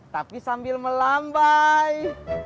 tapi sambil melambai